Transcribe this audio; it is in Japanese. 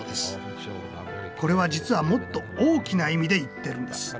これは実はもっと大きな意味で言っているんです。